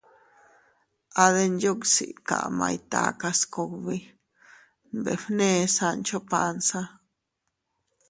—A Denyuksi kamay takas kugbi —nbefne Sancho Panza.